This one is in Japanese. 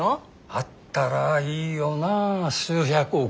あったらいいよなあ数百億。